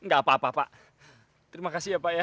nggak apa apa pak terima kasih ya pak ya